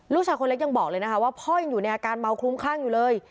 คนเล็กยังบอกเลยนะคะว่าพ่อยังอยู่ในอาการเมาคลุ้มคลั่งอยู่เลย